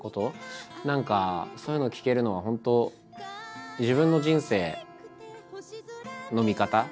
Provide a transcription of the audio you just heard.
何かそういうのを聞けるのは本当自分の人生の見方